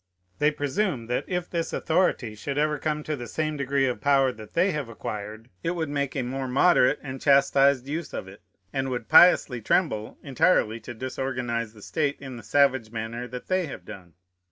They presume, that, if this authority should ever come to the same degree of power that they have acquired, it would make a more moderate and chastised use of it, and would piously tremble entirely to disorganize the state in the savage manner that they have done.